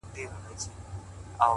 د زړه په كور كي دي بل كور جوړكړی.